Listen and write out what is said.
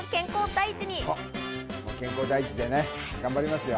健康第一でね頑張りますよ